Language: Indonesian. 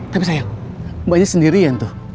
tapi sayang aja sendirian tuh